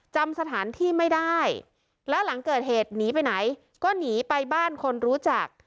จำสถานที่ไม่ได้แล้วหลังเกิดเหตุหนีไปไหนก็หนีไปบ้านคนรู้จัก